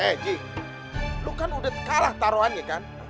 eh ji lo kan udah kalah taroannya kan